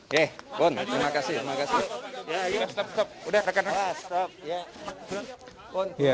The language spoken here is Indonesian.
ya pun terima kasih